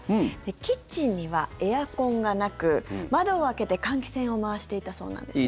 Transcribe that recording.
キッチンにはエアコンがなく窓を開けて換気扇を回していたそうなんですね。